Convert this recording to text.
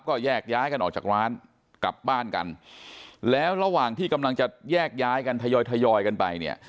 ก็แยกย้ายกันออกจากร้านกลับบ้านกันแล้วระหว่างที่กำลังจะแยกย้ายกันทยอยทยอยกันไปเนี่ย